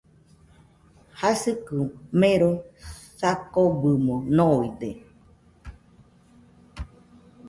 Jasikɨ mero , sakɨbɨmo noide.